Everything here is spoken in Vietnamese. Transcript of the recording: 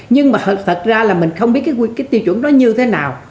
nhưng mà thật ra là mình không biết cái tiêu chuẩn đó như thế nào